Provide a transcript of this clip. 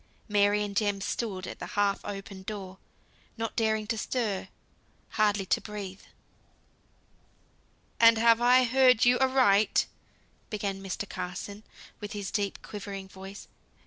Mary and Jem stood at the half open door, not daring to stir; hardly to breathe. "And have I heard you aright?" began Mr. Carson, with his deep quivering voice.